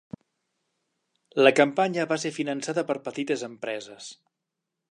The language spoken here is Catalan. La campanya va ser finançada per petites empreses